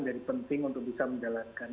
jadi penting untuk bisa menjalankan